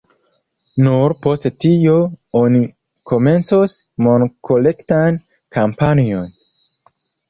Nur post tio oni komencos monkolektan kampanjon.